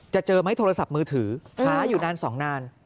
เจอไหมโทรศัพท์มือถือหาอยู่นานสองนาน